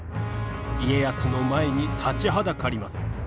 家康の前に立ちはだかります。